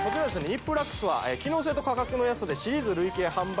ＮＩＰＬＵＸは機能性と価格の安さでシリーズ累計販売